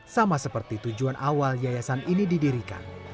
sama seperti tujuan awal yayasan ini didirikan